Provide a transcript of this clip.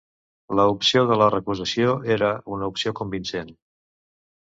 La opció de la recusació era una opció convincent.